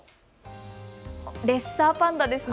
レッサーパンダですね。